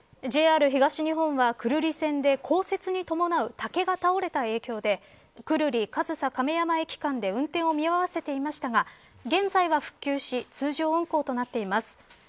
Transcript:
ＪＲ東日本は、久留里線で降雪に伴う、竹が倒れた影響で久留里、上総亀山駅間で運転を見合わせていましたが現在は復旧し通常運行となっています。